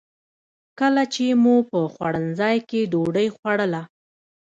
کله چې مو په خوړنځای کې ډوډۍ خوړله.